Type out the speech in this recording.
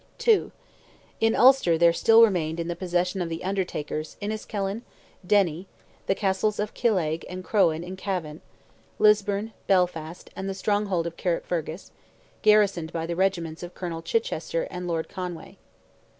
II. In Ulster there still remained in the possession of "the Undertakers" Enniskillen, Derry, the Castles of Killeagh and Crohan in Cavan, Lisburn, Belfast, and the stronghold of Carrickfergus, garrisoned by the regiments of Colonel Chichester and Lord Conway.